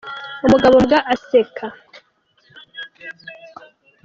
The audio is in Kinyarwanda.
Umugabo mbwa aseka.